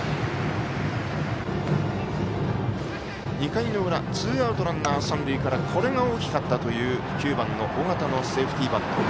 ２回の裏ツーアウト、ランナー、三塁からこれが大きかったという９番の尾形のセーフティーバント。